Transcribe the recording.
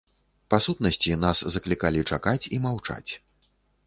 Па сутнасці, нас заклікалі чакаць і маўчаць.